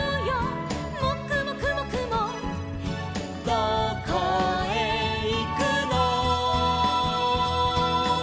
「どこへいくの」